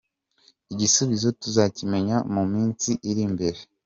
Igisubizo tuzakimenya mu minsi iri imbere.